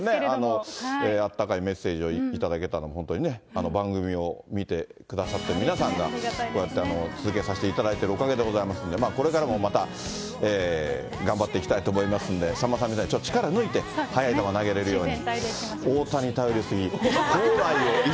あったかいメッセージを頂けたの、本当に番組を見てくださってる皆さんがこうやって、続けさせていただいているおかげでございますから、これからもまた、頑張っていきたいと思いますんで、さんまさんみたいにちょっと力抜いて、速い球投げれるように。